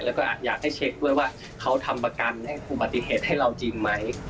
แล้วก็อยากให้เช็คด้วยว่าเขาทำประกันให้อุบัติเหตุให้เราจริงไหม